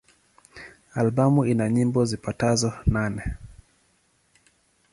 Albamu ina nyimbo zipatazo nane.